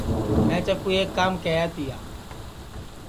میں چکُُو ایک کام کیہیا تیا